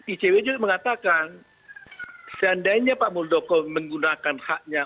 icw juga mengatakan seandainya pak muldoko menggunakan haknya